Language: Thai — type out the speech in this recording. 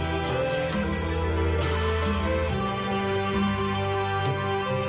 โอ้โหโอ้โหโอ้โหโอ้โห